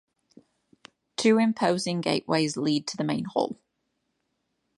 Two imposing gateways lead to the main hall.